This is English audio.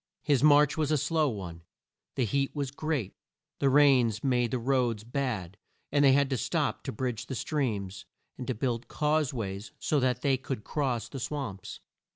His march was a slow one; the heat was great; the rains made the roads bad, and they had to stop to bridge the streams, and to build cause ways so that they could cross the swamps.